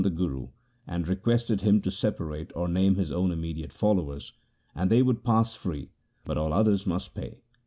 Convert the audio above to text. LIFE OF GURU AMAR DAS in the Guru, and requested him to separate or name his own immediate followers, and they should pass free, but all others must pay.